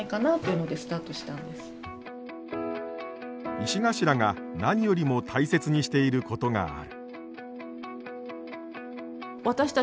石頭が何よりも大切にしていることがある。